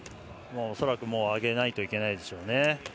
恐らく、上げないといけないでしょうね。